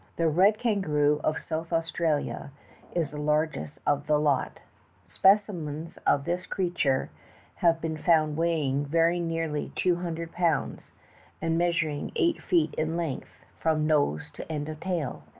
The red kangaroo of South Australia is the largest of all the lot. Speeimens of this ereature have been found weighing very nearl}^ two hundred pounds, and measuring eight feet in length from nose to end of tail.